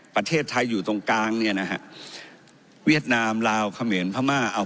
ประเทศไทยอยู่ตรงกลางเนี่ยนะฮะเวียดนามลาวเขมรพม่าเอา